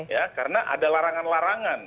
ya karena ada larangan larangan